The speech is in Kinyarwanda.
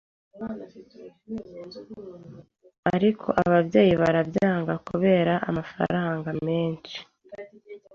ariko ababyeyi barabyanga kubera amafaranga menshi